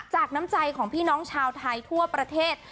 น้ำใจของพี่น้องชาวไทยทั่วประเทศ